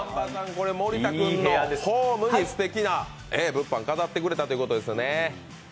これ、森田君のホームにすてきな物販飾ってくれたということですね。